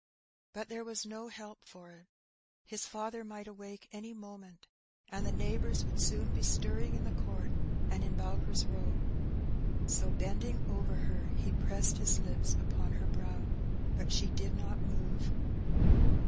Bnt there was no help for it. His father might awake any moment, and the neighbours would soon be stirring in the court and in Bowker's Eow. So bending over her, he pressed his lips upon her brow. But she did not move.